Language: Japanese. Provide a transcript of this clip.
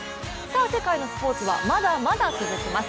世界のスポーツはまだまだ続きます。